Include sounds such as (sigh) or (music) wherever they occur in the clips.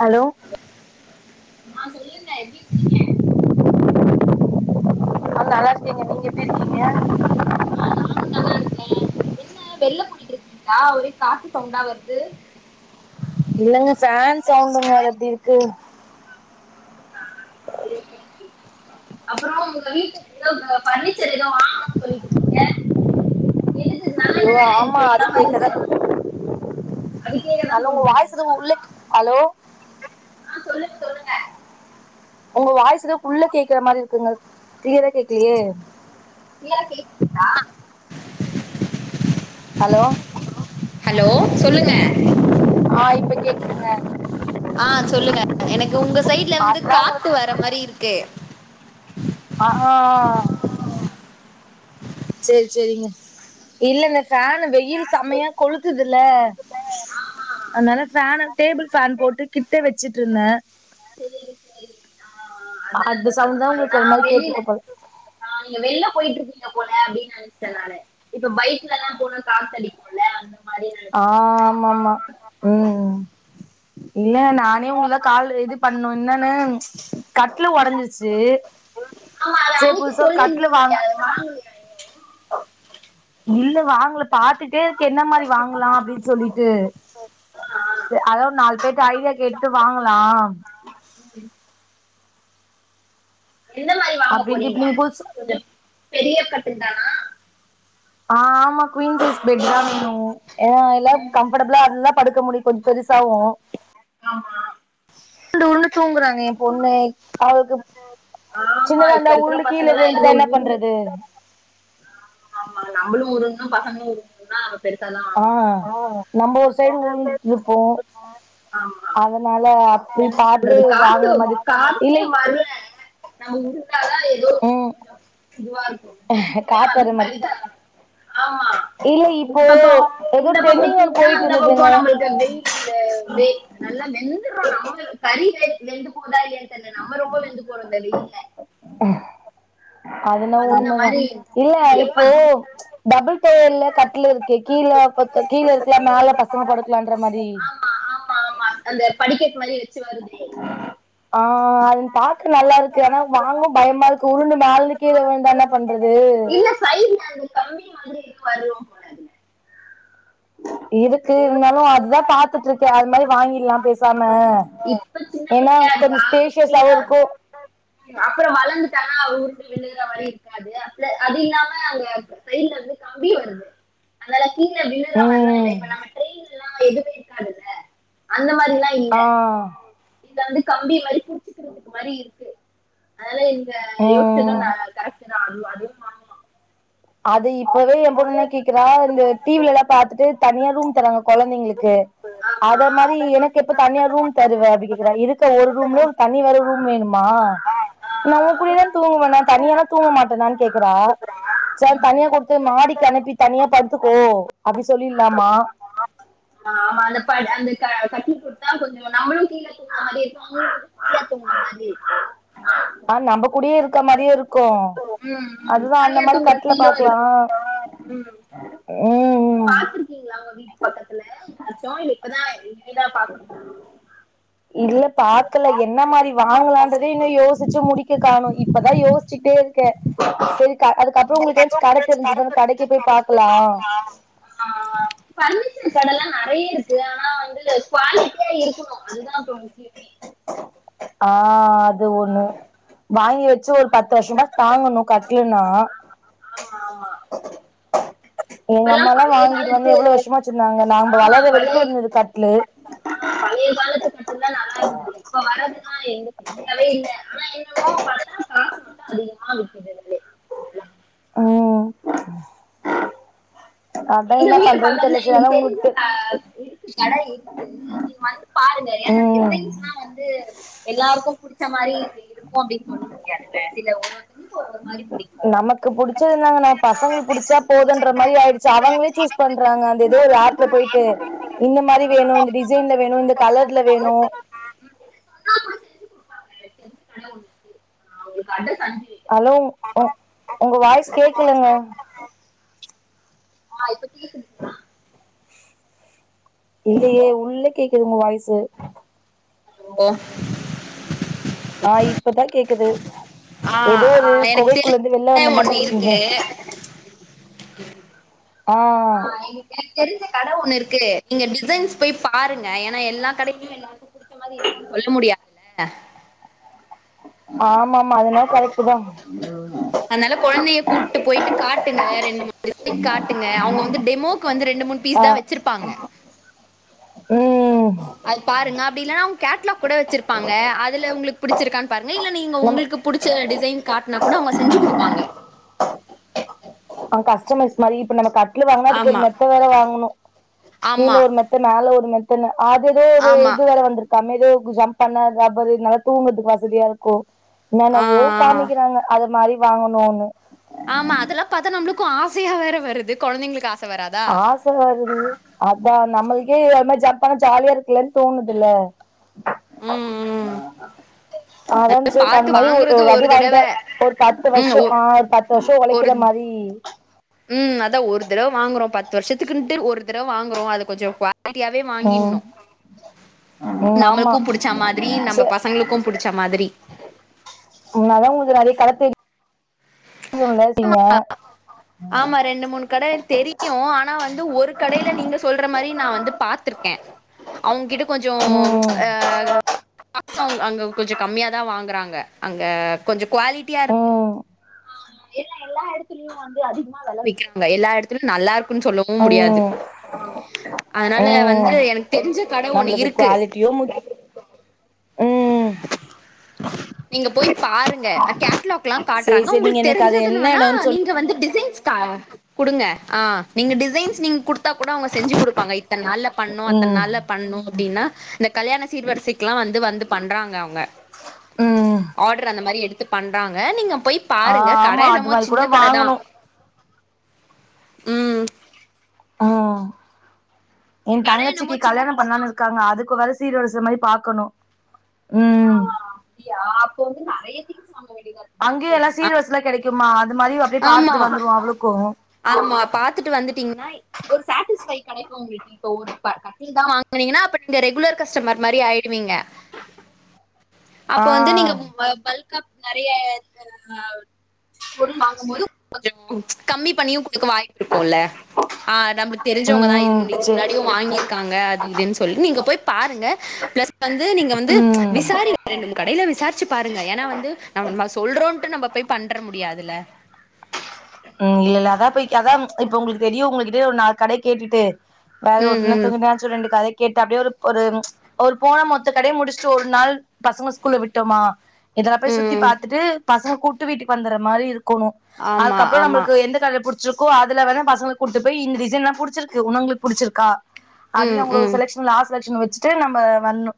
hello ஆஹ் சொல்லுங்க எப்டி இருக்கீங்க ஆஹ் நல்லாருக்கேங்க நீங்க எப்டி இருக்கீங்க ஆஹ் நாங்க நல்லாருக்கே என்ன வெள்ள போயிட்ருக்கீங்ளா ஒரே காத்து சவுண்டா வருது இல்லங்க பேன் சவுண்டுங்க அது அப்டிருக்கு ஆஹ் சேரி சேரி அப்றோ ஒங்க வீட்டு ஏதோ பர்னிச்சர் ஏதோ வாங்ணுனு சொல்லிட்ருந்தீங்க அஆமா அது கேக்குதான் அதுக்கேதா ஃபோன் உங்க வாய்ஸ் பண்ணீங்களா எது உள்ள ஹலோ ஆ சொல்லுங்க சொல்லுங்க உங்க வாய்ஸ்ஏத புள்ள கேக்குற மாதிரி இருக்குங்க நீங்க தா கேக்கலையே கிளியரா கேக்குறீங்களா ஹலோ ஹலோ சொல்லுங்க இப்ப கேக்குதுங்க ஆஹ் சொல்லுங்க எனக்கு உங்க சைட்ல வந்து அதுதா காத்து உங்களுக்கு வர மாதிரி இருக்கு ஆஹ் ஆஹ்ஹ சரி சரிங்க இல்ல இந்த பியான் வெயில் செமையா கொளுத்துதுல ஆமா அதனால ஃபேன் டேபிள் ஃபேன் போட்டு கிட்ட வச்சுட்டு இருந்தேன் சரிங்க சரி ஆஹ் அத அந்த சவுண்ட் தா உங்களுக்கு ஒரு சத்தம் மாரி வெளில கேட்டுருக்கு போல நீங்க வெளில போயிட்டு இருக்கீங்க போல அப்படின்னு நினைச்சேன்ன இப்ப பைக் வீலல்லாம் போன காத்தடி போடல அந்த மாரி நெனச்சிட்டே ஆஹ் ஆமாமா உம் இல்ல நானே உங்களதான் கால் இது பண்ணும் என்னன்னு கட்ல உடஞ்சிச்சு ஆமா அது சரி அன்னைக்கு புதுசா கட்ல சொல்லிருந்தீங்களே வாங்க அது வாங்கலையா இன்னு இல்ல வாங்கல பாாரத்துட்டே இருக்கேன் அதுக்கு என்ன மாதிரி வாங்கலாம் அப்படின்னு சொல்லிட்டு ஆ ஆ அத ஒரு நாலு பேர்ட ஐடியா கேட்டு வாங்கலாம் ம் எந்த மாதிரி வாங்க அப்டின்ட்டு இப்ப போறீங்க நீங்க புதுசு கொஞ்சம் பெரிய கட்டில் தான ஆஹ் ஆமா குவீன்சஸ் பெட் தான் வேணும் எல்லாம் ம் கம்ஃபர்டபிளா இருதான் படுக்க முடியும் கொஞ்சம் பெருசாவும் ஆமா ண்டூ தூங்குறாங்க என் பொண்ணு அவளுக்கு ஆமா சின்னதா இப்ப இருந்தா இருக்கிற உருண்டு கீழே பசங்கல்லா எங்க விழுந்துட்டா என்ன உருண்டு பண்றது ஆமா நம்மளும் உரும் பசமும் உரு தா ஆஹ் நம்ம ஒரு ஆ சைடு ஊருந்துட்டு இருப்போம் ஆமா அதனால அப்படி என்ன பாத்து பண்றது காத்து வாங்குற மாரி காத்தே இல்லை வர்ல நம்ம உருப்டாதா எதோ ம் கொஞ்ச இதுவா இருக்கு தூக்கமே வந்த காத்தாற மாரி மாரிதா ஆஹ் இல்ல இந்த இப்போ பக்க ஏதோ இந்த வந்து பக்க ட்ரெண்டிங் ஒன்னு தூங்குனா போயிட்டு அந்த இருந்ததுங்க பக்க நம்மளுக்கு வெயிலு வெ நல்ல வெண் இதுதா நம்மே கறி வெ வெந்து போதா இல்லயான் என்ன நம்ம ரொம்ப வெந்து போறோங்கிறது இல்ல அதுனா உண்மதா இல்ல எப்ப இப்பயே டபுள் டோர்ல கட்டில் இருக்கு கீழ பச கீழ இருக்கலா மேல பசங்க படுக்கலான்ற மாரி ஆமா ச்சு வருதே ஆஹ் உம் பாக்க நல்லா இருக்கு ஆனா வாங்க பயமா இருக்கு உருண்டு மேலருந்துக் கீழ விழுந்தா என்ன பண்றது இல்ல சைட்ல அந்த தம்பி மாதிரி நீயு கலர் பொடிலா போடக்கூடாதுன் நா இருக்கு இருந்தாலு அதுதா பாத்துட்ருக்கே அது மாரி வாங்கிற்லா பெஸ் னா இப்ப சின்ன ஏனா பிள்ளையா கொஞ்ச இருக்கா ஸ்பேஷியஸ்சாவு இருக்கு அப்றோ வளந்துட்டானா ஊருண்டு விழுகுற மாரி இருக்காது (unintelligible) அது இல்லாம அங்க சைட்ல இருந்து கம்பி வருது அதனால கீழ விழுற மாரில்லா இல்ல ம் இப்ப நம்ம டிரென்ல்லா மாரிலா இல்ல ஆஹ் இதுல வந்து கம்பி மாரி புடிச்சுக்கிறதுக்கு மாரி இருக்கு (unintelligible) (unintelligible) யோசிச்சது ம் (inaudible) கரெக்ட் தா அது அதுவு வாங்கலா அது இப்பவே என் பொண்ணு கேக்குறா இந்த டி விலா பாத்துட்டு தனியா ரூம் தராங்க கொழந்தைங்களுக்கு ஆமா அத மாரி எனக்கு எப்ப தனியா ரூம் தருவ அப்டி கேக்குறா இருக்க ஒரு ரூம்ல தனி வேற ரூம் வேணுமா நா உங்க கூடியதா தூங்குவே ந தனிய எல்லா தூங்க மாட்டேனான்னு கேக்குறா (unintelligible) ம் தனியா கொடுத்து மாடிக்கு அனுப்பி தனியா படுத்துக்கோ அப்டி சொல்லிலாமா ஆமா அந்த (unintelligible) அந்த க கட்டி குடுத்தா கொஞ்சோ நம்மளு கீழ தூங்கின மாரி இருக்கு அவுங்களு கொஞ்சோ ஃபிரீயா தூங்குண மாரி இருக்கு ஆஹ் நம்ம கூடேயே இருக்க மாரியே இருக்கு ம் ம் அதுதா அந்த தனியா மாரி தூங்குற கட்டுல ஃபீலு பாக்கலா இருக்கு ம் உம் (unintelligible) இப்ப தா ஏதா பாக்கணும இல்ல பாக்கல என்ன மாரி வாங்கலான்றதே இன்னு யோசிச்சு முடிக்க காணு இப்பதா யோசிச்சுட்டே இருக்கே செரி க அதுக்கப்புறோ உங்களுக்கு ஏதாச்சு கட தெரிஞ்சுது கடைக்கு போய் பாக்கலா ஆ பர்னிச்சர் கடல்லா நெறைய இருக்கு ஆனா வந்து (unintelligible) இருக்கணு அதுதா இப்ப முக்கியமே ஆஹ் அது ஒண்ணு வாங்கி வச்சு ஒரு பத்து வர்ஷேமா தாங்கணு கட்டுலனா ஆமா ஆமா ஆமா எங்க இப்பல்லா அம்மாலா பழைய வாங்கி காலத்து வந்து எவ்ளோ வர்ஷேமா வச்சிருந்தங்க நம் ப்ப ஆ வளர பழைய வரைக்கி இருந்துது கட்லு மேம் இப்ப வர்றதுன்னா எங்க தெரியவே இல்ல ஆனா என்னமோ பணங் காசு மட்டும் அதிகமா விக்குதுனே ம் அதா எங்க என்ன வீட்டு பண்றதுன்னு பக்கத்துல தெர்ல சரி எங்குளுக் அதா உங்களுக்கு தெரிஞ்ச தெ ப இருக்கு கடை இருக்கு நீங்க வந்து பாருங்க ஏன்னா ம் டிசைன்ஸ் எல்லா வந்து எல்லாருக்கு புடிச்ச மாதிரி இங்க இருக்கு அப்படின்னு சொல்ல முடியாதுல சில ஒரு ஒருத்தருக்கு ஒரு ஒரு மாதிரி பிடிக்கும் நமக்கு புடிச்சதுதாங்க நம் சொன்னா கூட பசங்க புடிச்சா செஞ்சு போதுன்ற மாதிரி ஆயிடுச்சு கொடுப்பாங்க அவங்கள சூஸ் எனக்கு பண்றாங்க தெரிஞ்ச அந்த ஏ ஆர்ட்ல போயிட்டு கடை இந்த மாதிரி வேணு இந்த டிசைன்ல வேணு இந்த கலர்ல வேணு (unintelligible) ஹலோ உ உங்க வாய்ஸ் கேக்கலங்க ஆயி (inaudible) இல்லையே ஹலோ உள்ளே கேக்குது உங்க வாயிசு ஹலோ ஆஹ் இப்பதா கேக்குது ஆ ஏதோ ஆ ஒரு எனக்கு கொகைக்குள்ள தெரிஞ்ச இருந்து வெள்ளா கடை வந்த மாதிரி ஒண்ணு இருக்கீங்க இருக்கு ஆ இங்க தெரிஞ்ச கடை ஒண்ணு இருக்கு நீங்க டிசைன்ஸ் போய் பாருங்க ஏன்னா எல்லா கடையையும் எல்லாருக்கு புடிச்ச மாரி இருக்கும்னு சொல்ல முடியாதுல (inaudible) ஆமா ஆமா அதுலா கரெட்டுதா என்ன வேற என் (inaudible) திருப்பி காட்டுங்க அவங்க வந்து டெமோக்கு வந்து ரெண்டு மூணு ஆ பீஸ் தா வச்சிருப்பாங்க ம் அது பாருங்க அப்டி இல்ன்னா கேட்லாக் கூட வச்சிருப்பாங்க அதுல உங்களுக்கு புடிச்சிருக்கான்னு பாருங்க இல்ல நீங்க நம்ம உங்களுக்கு புடிச்ச டிசைன் காட்டனா கூட அவங்க செஞ்சு குடுப்பாங்க அவங்க கஸ்டமர்ஸ் மாரி இப்போ நம்ம க வீடு வாங்கினா அதுக்கொரு ஆமா மெத்த வேற வாங்கணு கீழ ஆமா ஒரு மெத்த மேல ஒரு இப்போ என்ன அது வேறு ஆமா இது வேற வந்திருக்காமே ஹே ஜம்ப் பண்ண ரப்பர் நல்லா தூங்குறதுக்கு வசதியா இருக்கு ஆ நனவோ ஆ காமிக்கிறாங்க அது மாரி வாங்கணு ஒன்னு ஆமா அதுலா பாத்தா நம்மளுக்கு ஆசையா வேற வருது குழந்தைங்களுக்கு ஆ ஆச வருது அதா நம்மள்க் ஏ ஒரு மாதி ஜப்பான் ஜாலியா இருக்குல்லன்னு தோணுதுல அதா அத ச பாத்து அந் மாரி ஒரு வாங்குறது வடி தடவ வாங்கிட்டா ஒரு பத்து ம் வருஷ ஒ ஆஹ் பத்து வருஷ உழைக்கிற மாரி உம் அதா ஒரு தடவ வாங் ங்க்ரோ பத்து வருஷத்துக்குன்ட்டு ஒரு தடவ வாங்குறோம் அது கொஞ்சோ குவா உம் உம் ஆமா நம்மளுக்கு புடிச்ச மாதிரி நம்ம ஆச பசங்களுக்கு புடிச்ச மாதிரி (unintelligible) ஆமா (inaudible) ஆமா ரெண்டு மூணு கடை தெரியு ஆனா வந்து ந்து ஒரு கடையில நீங்க சொல்ற மாரி நா வந்து பாத்திருக்கே அவங்கிட்ட கொஞ்ஜோ ம் ஆஹ் (inaudible) அங்க கொஞ்ச கம்மியாதா வாங்கறாங்க அங்க கொஞ் குவாலிட்டியா இருக்கு ம் ஆமா எல்ல எல்லா இடத்துலயு வந்து அதிகமா விலவிக்கிறாங்க எல்லா இடத்துலயும் நல்லாருக் க்குனு சொல்லவும் முடியாது ம் அதனால வந்து ம் எனக் தெரிஞ்ச கட ஒண்ணு நம்மளுக்கு இருக்கு குவாலிட்டியு முக் ம் நீங்க போய் பாருங்க அ கே ட்லாகெல்லா செரி காட்றாங்க செரி நீங்க உங்களுக்கு எனக்கு அது தெரிஞ்சதுனு என்ன வேனா எடோன்னு சொல்லி நீங்க வந்து டிசைன் ஷ்டா குடுங்க ஆ நீங்க டிசைன்ஸ் நீங்க குடுத்தா கூட அவங்க செஞ்சு குடுப்பாங்க இத்தன நாள்ல பண்ணு அத்தன் ம் நாள்ல பண்ணு அப்டின்னா இந்த கல்யாண சீர்வரிசைக்குல்லா வந்து வந்து பண்றாங்க அவங்க ம் ஆர்டர் அந்த மாரி எடுத்து பண்றாங்க நீங்க போய் ஆ பாருங்க கட ஆமா அது என்னமோ மாரி கூட சின்ன கடதா வாங்கணு உம் ம் என் கட தங்கச்சிக்கு என்னமோ சின்ன கல்யாணம் கட தா பண்லானு இருக்காங்க அதுக்கு வற்ற சீர் வரிச மாரி பாக்கணு ம் ஆஹ் அப்டியா அப்ப வந்து நெறைய வாங்கவேண்டிதா (inaudible) அங்கேயு எல்லா சீர்வரிசலா கெடைக்குமா அது மாரி அப்டியே ஆமா பாத்துட்டு வந்துருவோ அவளுக்கு ஆமா பாத்துட்டு வந்துட்டீங்னா ஒரு சாடிஸ்ஃபை கெடைக்கு உங்களு இப்ப ஒரு ப கட்டில்தா வாங்கனீங்னா அப்ப நீங்க ரெகுலர் கஸ்டமர் மாரி ஆயிருவீங்க அப்ப ஆ வந்து நீங்க வ பல்கா நெறைய ஆ பொருள் வாங்கும் போது கொஞ்சொ கம்மி பண்ணியு குடுக்க வாய்ப்பிருக்குல ஆஹ் நம்ளுக் தெரிஞ்சவங்கதா இது (unintelligible) ம் செரி முன்னாடியு வாங்கி காங்க அது இதுன் சொல்லி நீங்க போய் பாருங்க பிளஸ் வந்து நீங்க வந்து ம் விசாரி கடைல விசாரிச்சு பாருங்க ஏனா வந்து நம்ம சொல்றோன்ட்டு நம்ப போய் பண்ற முடியாதுல உம் இல்லல்ல அதா போய்ட் அதா ப்ச் இப்ப உங்ளுக் தெரியு உங்க ப்டியே ஒரு நால் கடை கேட்டுட்டு வேற ம் ம் ஒன்னுத்துக்கு நா (unintelligible) இந்த கடை கேட்ட அப்டியே ஒரு ஒரு போன மொத்த கடைய முடிச்சுட்டு ஒரு நாள் பசங்க ஸ்கூல்ல விட்டோமா இதெல்லா போய் சுத்தி ம் பாத்துட்டு பசங்க கூட்டு விட்டுக்கு வந்தற்ற மாரி இரு கொணு அ ஆமா கப்புற ஆமா நம்ளுக்கு எந்த கட பு ருக்கோ அதுல வேனா பசங்களுக் கூட்டுப் போய் இந்த டிசைன்லா புடிச்சிருக்கு உனங்களுக்கு புடிச்சிருக்கா அப்டீனு ம் உங்களோ ம் செலக்ஷன் லாஸ் செலக்ஷன் வெ ச்ட்டு நம்ப வரணு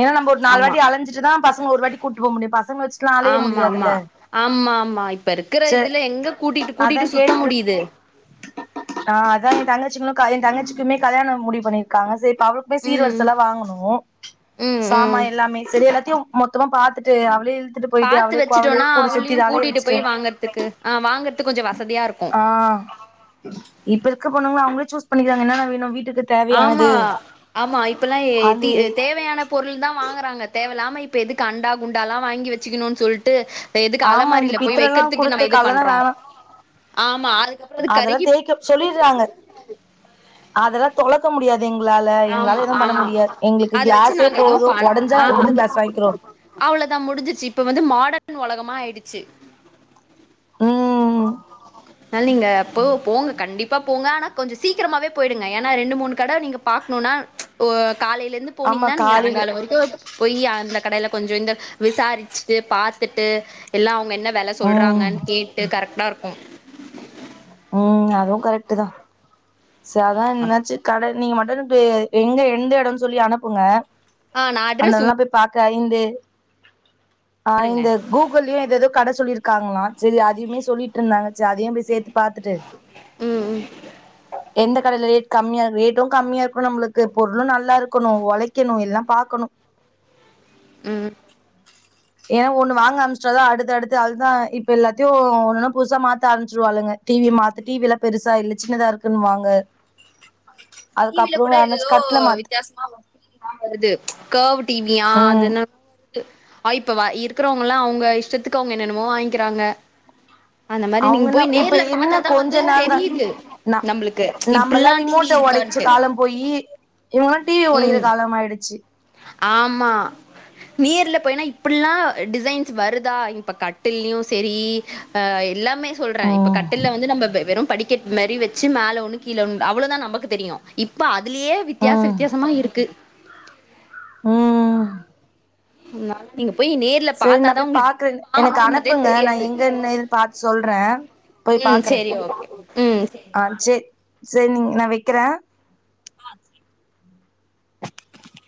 ஏனா நாம்போ ஒரு நாலு ஆமா வாட்டி அலஞ்சிட்டுதா பசங்க ஒரு வாட்டி கூட்டு போ முடியு பசங்க வச்சுட்லா அலய ஆமா ஆமா முடியாதுல்ல ஆமா ஆமா இப்ப இருக்கிற ச இதுல எங்க கூட்டிட்டு அதா கூட்டிட்டு சுத்த கேட்ரு முடியுது ஆ அதா எ தங்க ச்சி எ தங்கச்சிக்குமே கல்யாணோ முடிவு பண்ணிருக்காங்க சரி அவளுக்குமே சீர் ம் வரிசலா வாங்கணு ம் சாமா ம் எல்லாமே சரி எல்லாத்தையு மொத்தமா பாத்துட்டு அவளே இழுத்துட்டு போயிட்டு பாத்து அவளே அவளே வெச்சுட்டோனா கூட சுத்தி அவளையு அலைய கூட்டிட்டு வச்சுட்டு போய் வாங்கறதுக்கு வாங்கறதுக்கு கொஞ்சோ வசதியா இருக்கு ஆ இப்ப இருக்க பொண்ணுங்ளா அவங்களே சூஸ் பண்ணிக்கிறாங்க என்னா வேணு வீட்டுக்கு ஆமா தேவையானது ஆமா இப்பல்லா தி அது தேவையான பொருள்தா வாங்கறாங்க தேவல்லாம இப்ப எதுக்கு அண்டா குண்டால வாங்கி வெச்சுக்கணுன் சொல்ட்டு எதுக்கு ஆமா இந்த அலமாரில போய் பித்தலல்லா வைக்கறதுக்கு நம்ம குடுத்த இது கால்லா பண்றோ வேணா ஆமா அதுக்கப்றோ அது அதெல்லா கருகி போயிடுது தேய்க்க சொல்லிர்றாங்க அதெல்லா தொல க்க முடியாது எங்களால ஆமா எங்களால எதுவு பண்ண ஆமா முடியாது எங்களுக்கு அத வச்சு கிளாஸே நாங்க எதுவு போது ப ஒடஞ்சா நாங்க ஆமா புது கிளாஸ் வாங்கிக்கிறோ அவ்ளதா முடிஞ்சுச்சு இப்ப வந்து மாடன் உலகம் ஆயிடுச்சு ம் அதனால நீங்க போங்க போங்க கண்டிப்பா போங்க ஆனா கொஞ்ச சீக்கிரமாவே போயிடுங்க ஏனா ரெண்டு மூணு கட நீங்க பாக்ணுனா ஒ காலைல இருந்து ஆமா போனிங்னா நீங்க காலைல சாங்கால வரைக்கு போயி அந் த கடைல கொஞ்சோ இந்த விசாரிச்சுட்டு பாத்துட்டு எல்லா அவுங்க என்ன வெல ம் சொல்றாங்கன் கேட்டு கரெக்டா இருக்கு ம் அதுவு கரெக்ட்டுதா சர் அதா எதனாச்சு கடை நீங்க மட்டனுட்டு எங்க எந்த எடன்னு சொல்லி அனுப்புங்க ஆ நா அட்ரஸ் உங் கைந்து பாருங்க ஐந்து கூகுள் ஏ ஏதேதோ கடை சொல்லிருக் காங்லா செரி அதைமே சொல்லிட்ருந்தாங்க செ அதையும் போய் சேத்து துட்டு ம் ம் எந்த கடையில ரேட் கம்மியா ரேட்டும் கம்மியா இருக்கணும் நம்மளுக்கு பொருளும் நல்லா இருக்கணும் உழைக்கணும் எல்லாம் பாக்கணும் உம் ஏன்னா ஒண்ணு வாங்க ஆரம்பிச்சுட்டாதான் அடுத்தடுத்து அதுதான் இப்ப எல்லாத்தையும் ஒன்னுன்ன புதுசா மாத்த ஆரம்பிச்சுருவாளுஙக டிவி மாத்து டி விலாம் பெருசா இல்ல சின்னதா இருக்குன்னு வாங்க டிவில கூட ஏதேதோ வித்தியாசமா டிவி தான் வருது கர்வ் டிவியா ம் அது என்ன ஆஹ் இப்ப இருக்கிறவங்கலாம் அவங்க இஷ்டத்துக்கு அவங்க என்னென்னமோ வாங்கிக்கிறாங்க அந்த மாதிரி நீங்க அவங்கன்னா போய் இப்ப நேர்ல என்ன பார்த்தாதான் கொஞ்ச வந்து நாள் தான் தெரியுது ந நம்ளுக்கு நம்மல்லா இப்டில்லா டிவி ரிமோட்ட இருக்கு (inaudible) காலம் போயி இவங்க உம் ஆமா நீர்ல எனா இப்பல்லா டிசைன்ஸ் வருதா இப்ப கட்டலயு சேரி எல்லா இப்புமே சொல்ற இப்ப ம் கட்டல வந்து நம்ம வெறும் படிக்கட் மாரி வச்சு மேல ஒன்னு கீழ ஒன்னு அவ்வளோதா நமக்கு தெரியு இப்ப அது அதுலையே வித்தியச வித் இருக்கு உம் நானு நீங்க போய் நேர்ல சேரி நா பாத்தாதா போய் உங்களுக்கு பாக்குற என்ன எனக்கு வாங்கணுன்றதே அனுப்புங்க நா தெரியாது எங்கன்னு பாத்து சொல்ற போய் ம் பாக்குற சேரி ஓகே ம் சே ஆஹ் சேர் சேரி நீங்க நா வைக்குற ஆஹ் சேரி